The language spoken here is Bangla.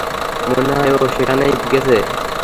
মনে হয় ও সেখানেই গেছে।